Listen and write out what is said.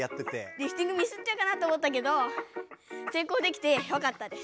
リフティングミスっちゃうかなって思ったけどせいこうできてよかったです。